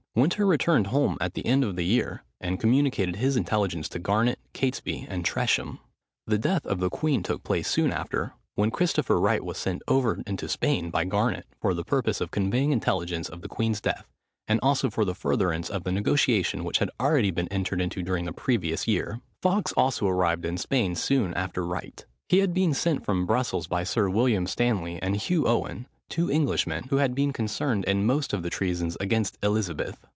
Winter returned home at the end of the year, and communicated his intelligence to Garnet, Catesby, and Tresham. The death of the queen took place soon after, when Christopher Wright was sent over into Spain by Garnet, for the purpose of conveying intelligence of the queen's death, and also for the furtherance of the negotiation, which had been already entered into during the previous year. Fawkes also arrived in Spain soon after Wright. He had been sent from Brussels by Sir William Stanley and Hugh Owen, two Englishmen, who had been concerned in most of the treasons against Elizabeth.